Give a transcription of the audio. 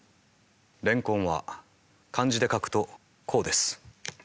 レンコンは漢字で書くとこうです。